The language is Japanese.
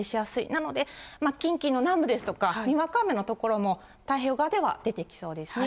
なので、近畿の南部ですとか、にわか雨の所も太平洋側では出てきそうですね。